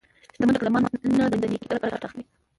شتمن خلک له مال نه د نیکۍ لپاره ګټه اخلي.